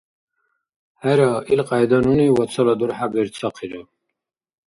ХӀера, илкьяйда нуни вацала дурхӀя берцахъира.